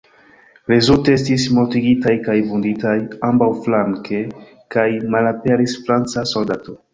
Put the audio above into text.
Rezulte estis mortigitaj kaj vunditaj ambaŭflanke, kaj malaperis franca soldato.